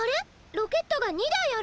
ロケットが２だいある！